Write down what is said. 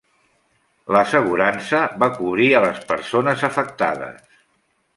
L'assegurança va cobrir a les persones afectades.